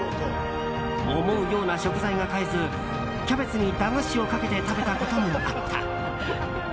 思うような食材が買えずキャベツに駄菓子をかけて食べたこともあった。